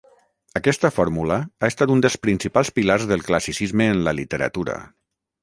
Aquesta fórmula ha estat un dels principals pilars del classicisme en la literatura.